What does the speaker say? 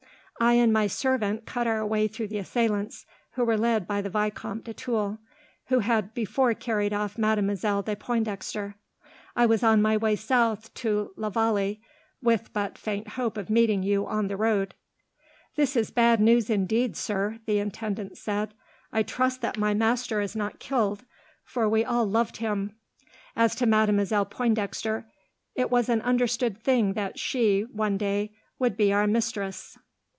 "I and my servant cut our way through the assailants, who were led by the Vicomte de Tulle, who had before carried off Mademoiselle de Pointdexter. I was on my way south to la Vallee, with but faint hope of meeting you on the road." "This is bad news indeed, sir," the intendant said. "I trust that my master is not killed, for we all loved him. As to Mademoiselle Pointdexter, it was an understood thing that she, one day, would be our mistress.